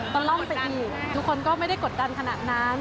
ก็ล่องไปอีกทุกคนก็ไม่ได้กดดันขนาดนั้น